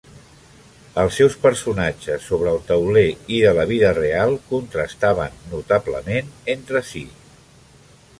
Els seus personatges sobre el tauler i de la vida real contrastaven notablement entre si.